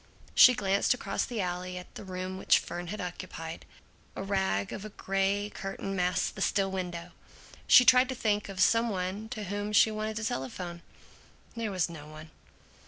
She glanced across the alley at the room which Fern had occupied. A rag of a gray curtain masked the still window. She tried to think of some one to whom she wanted to telephone. There was no one.